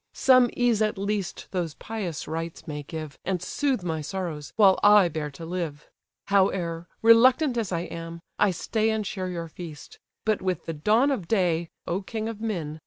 Some ease at least those pious rites may give, And soothe my sorrows, while I bear to live. Howe'er, reluctant as I am, I stay And share your feast; but with the dawn of day, (O king of men!)